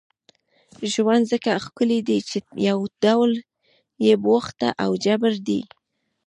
ژوند ځکه ښکلی دی چې یو ډول بې وخته او جبر دی.